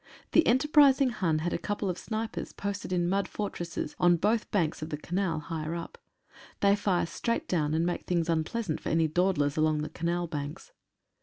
The enterprising Hun had a couple of snipers posted in mud fortresses on both banks of the Canal, higher up. They fire straight down, and make things unpleasant for any dawdlers along the Canal banks.